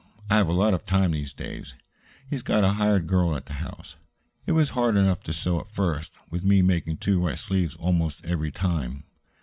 I have a lot of time these days. He's got a hired girl at the house. It was hard enough to sew at first, with me making two right sleeves almost every time."